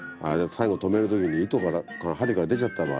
最後留める時に糸が針から出ちゃった場合